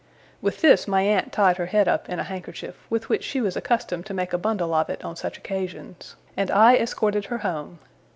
With this my aunt tied her head up in a handkerchief, with which she was accustomed to make a bundle of it on such occasions; and I escorted her home.